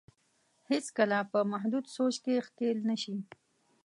هېڅ کله په محدود سوچ کې ښکېل نه شي.